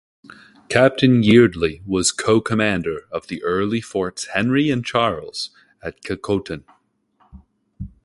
Captain Yeardley was co-commander of the early Forts Henry and Charles at Kecoughtan.